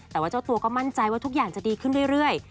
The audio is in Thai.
แต่ว่าเจ้าตัวก็มั่นใจว่าทุกอย่างจะดีขึ้นเรื่อย